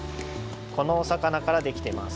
このお魚からできてます。